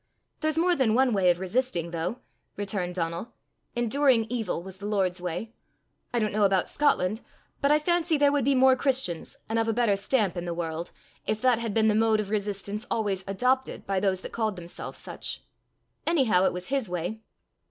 "There's more than one way of resisting, though," returned Donal. "Enduring evil was the Lord's way. I don't know about Scotland, but I fancy there would be more Christians, and of a better stamp, in the world, if that had been the mode of resistance always adopted by those that called themselves such. Anyhow it was his way."